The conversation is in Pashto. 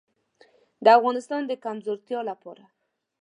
د افغانستان د کمزورتیا لپاره.